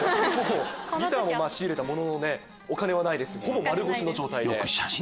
ギターは仕入れたもののお金はないですしほぼ丸腰。